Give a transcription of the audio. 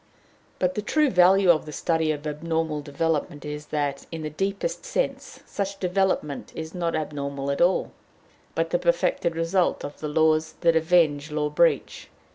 But the true value of the study of abnormal development is that, in the deepest sense, such development is not abnormal at all, but the perfected result of the laws that avenge law breach.